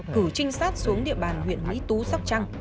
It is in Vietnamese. cử trinh sát xuống địa bàn huyện mỹ tú sóc trăng